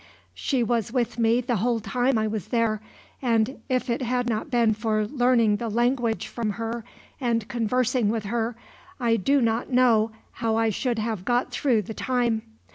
She was with me the whole time I was there, and if it had not been for learning the language from her, and conversing with her, I do not know how I should have got through the time.